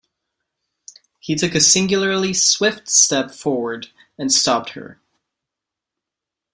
He took a singularly swift step forward and stopped her.